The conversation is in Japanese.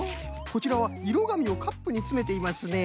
こちらはいろがみをカップにつめていますね。